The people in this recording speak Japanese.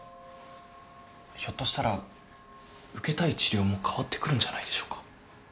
ひょっとしたら受けたい治療も変わってくるんじゃないでしょうか。